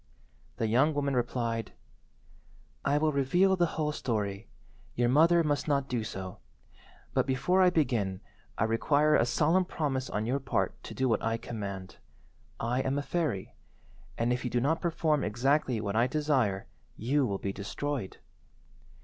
The young woman replied— "I will reveal the whole story. Your mother must not do so. But before I begin I require a solemn promise on your part to do what I command. I am a fairy, and, if you do not perform exactly what I desire, you will be destroyed."